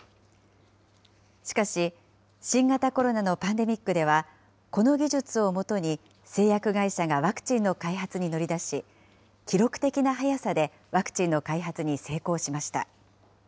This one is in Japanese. しかし、新型コロナのパンデミックでは、この技術をもとに製薬会社がワクチンの開発に乗り出し、記録的な速さでワクチンの開発に成功しました。